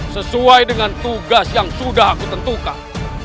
sesuai dengan tugas yang sudah aku tentukan